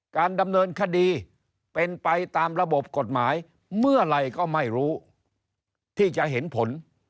การดำเนินคดีเป็นไปตามระบบกฎหมายเมื่อไหร่ก็ไม่รู้ที่จะเห็นผล